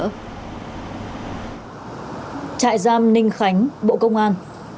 trại giam ninh khánh bộ công an